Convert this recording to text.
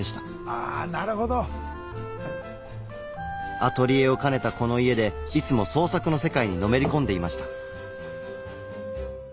アトリエを兼ねたこの家でいつも創作の世界にのめりこんでいました。